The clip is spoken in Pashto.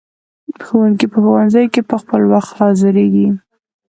ښوونکي په ښوونځیو کې په خپل وخت حاضریږي.